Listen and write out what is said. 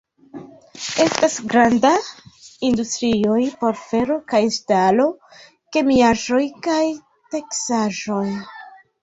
Estas grandaj industrioj por fero kaj ŝtalo, kemiaĵoj kaj teksaĵoj.